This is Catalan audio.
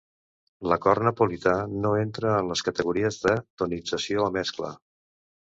L'acord napolità no entra en les categories de tonització o mescla.